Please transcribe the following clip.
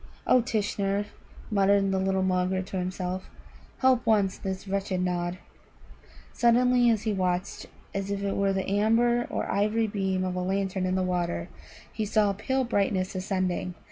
"O Tishnar," muttered the little Mulgar to himself, "help once this wretched Nod!" Suddenly, as he watched, as if it were the amber or ivory beam of a lantern in the water, he saw a pale brightness ascending.